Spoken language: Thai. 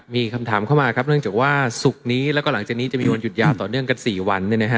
มีคำถามเข้ามาครับเนื่องจากว่าศุกร์นี้แล้วก็หลังจากนี้จะมีวันหยุดยาวต่อเนื่องกัน๔วัน